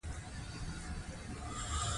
په ژمي کي پنډي جامې او تاوده بوټونه ضرور دي.